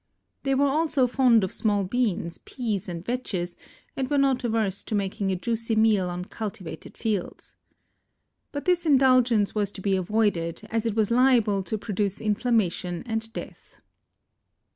They were also fond of small beans, peas and vetches and were not averse to making a juicy meal on cultivated fields. But this indulgence was to be avoided, as it was liable to produce inflammation and death.